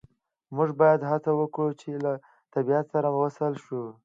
موږ باید هڅه وکړو چې له طبیعت سره وصل شو